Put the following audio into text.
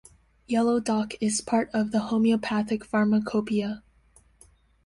Yellow dock is part of the homeopathic pharmacopoeia.